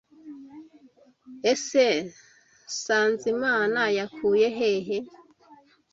Ese Sanzimana yakuye hehe?